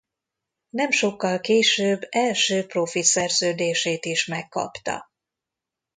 Nem sokkal később első profi szerződését is megkapta.